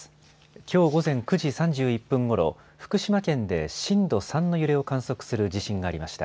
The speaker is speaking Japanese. きょう午前９時３１分ごろ福島県で震度３の揺れを観測する地震がありました。